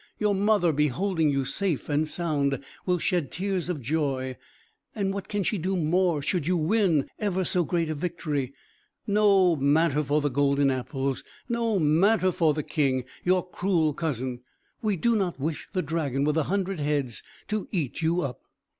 Your mother, beholding you safe and sound, will shed tears of joy; and what can she do more, should you win ever so great a victory? No matter for the golden apples! No matter for the king, your cruel cousin! We do not wish the dragon with the hundred heads to eat you up!"